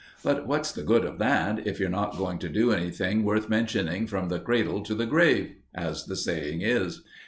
But what's the good of that, if you're not going to do anything worth mentioning from the cradle to the grave, as the saying is?